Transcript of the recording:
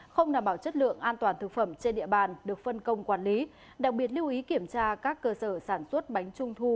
không đảm bảo chất lượng an toàn thực phẩm trên địa bàn được phân công quản lý đặc biệt lưu ý kiểm tra các cơ sở sản xuất bánh trung thu